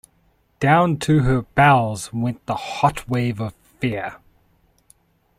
Down to her bowels went the hot wave of fear.